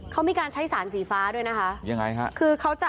เขามีการใช่สารสีฟ้าด้วยนะคะ